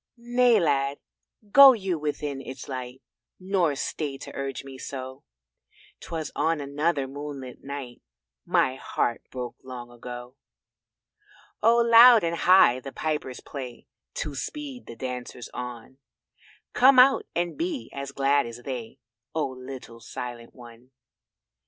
"Nay, Lad, go you within its light, Nor stay to urge me so 'Twas on another moonlit night My heart broke long ago." Oh loud and high the pipers play To speed the dancers on; Come out and be as glad as they, Oh, little Silent one.